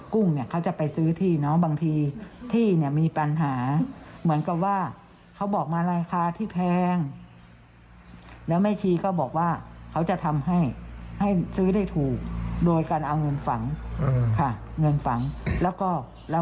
เขาให้น้างกุ้งเป็นคนฝังด้วยไม่ให้เราฝังค่ะ